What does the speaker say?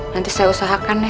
nanti saya usahakan ya